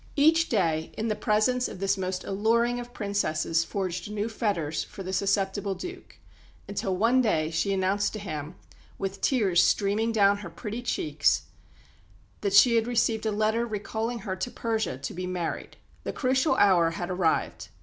Each day in the presence of this most alluring of princesses forged new fetters for the susceptible Duke, until one day she announced to him, with tears streaming down her pretty cheeks, that she had received a letter recalling her to Persia to be married. The crucial hour had arrived.